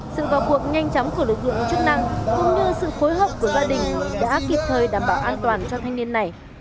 sự vào cuộc nhanh chóng của lực lượng chức năng cũng như sự phối hợp của gia đình đã kịp thời đảm bảo an toàn cho thanh niên này